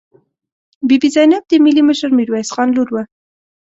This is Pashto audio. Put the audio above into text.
بي بي زینب د ملي مشر میرویس خان لور وه.